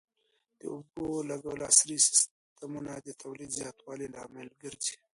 د اوبو د لګولو عصري سیستمونه د تولید زیاتوالي لامل کېږي.